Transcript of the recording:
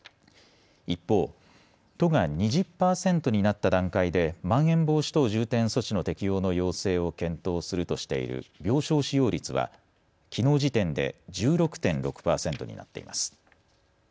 一方、都が２０％になった段階でまん延防止等重点措置の適用の要請を検討するとしている病床使用率はきのう時点で１６．６％になっています。